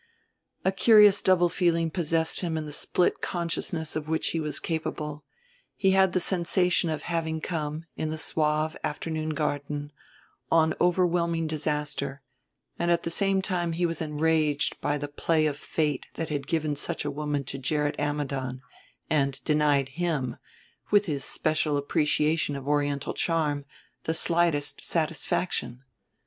A curious double feeling possessed him in the split consciousness of which he was capable he had the sensation of having come, in the suave afternoon garden, on overwhelming disaster, and at the same time he was enraged by the play of Fate that had given such a woman to Gerrit Ammidon and denied him, with his special appreciation of Oriental charm, the slightest satisfaction.